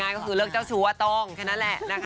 อยากจะปรับเปลี่ยนอะไรของเขาอ่ะ